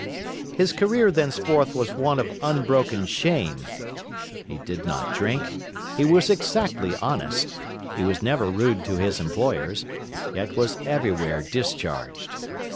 His career thenceforth was one of unbroken shame. He did not drink, he was exactly honest, he was never rude to his employers, yet was everywhere discharged.